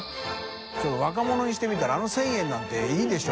舛腓辰若者にしてみたらあの１０００円なんていいでしょ？